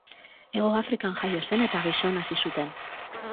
Hego Afrikan jaio zen eta gizon hazi zuten.